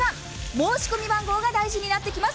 申し込み番号が大事になってきます。